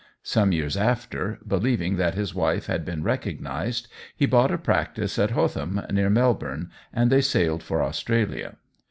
Some years after, believing that his wife had been recognized, he bought a practice at Hotham, near Melbourne, and they sailed for Australia.